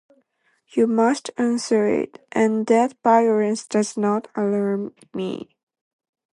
You must answer it; and that violence does not alarm me.